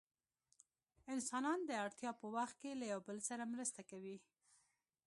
انسانان د اړتیا په وخت کې له یو بل سره مرسته کوي.